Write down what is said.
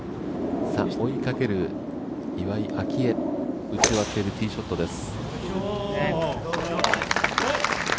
追いかける岩井明愛、打ち終わっているティーショットです。